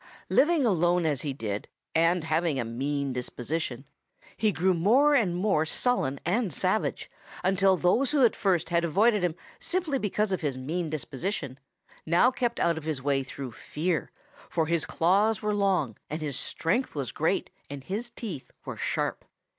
"Living alone as he did, and having a mean disposition, he grew more and more sullen and savage until those who at first had avoided him simply because of his mean disposition now kept out of his way through fear, for his claws were long and his strength was great and his teeth were sharp.